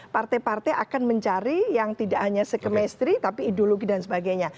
partai partai akan mencari yang tidak hanya sekemistri tapi ideologi dan sebagainya